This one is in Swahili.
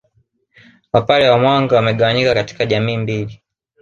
apare wa Mwanga wamegawanyika katika jamii mbili